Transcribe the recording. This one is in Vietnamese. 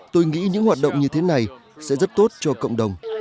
tôi nghĩ những hoạt động như thế này sẽ rất tốt cho cộng đồng